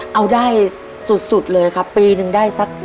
เอาได้สุดเลยครับปีหนึ่งได้สัก